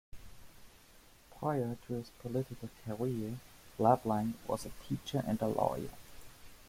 Prior to his political career, Leblanc was a teacher and a lawyer.